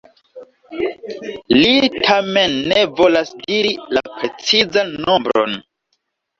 Li tamen ne volas diri la precizan nombron.